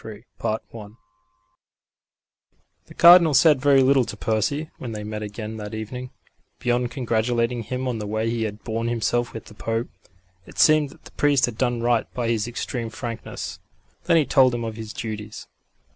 CHAPTER III I The Cardinal said very little to Percy when they met again that evening, beyond congratulating him on the way he had borne himself with the Pope. It seemed that the priest had done right by his extreme frankness. Then he told him of his duties.